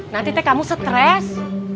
nanti teh kamu stres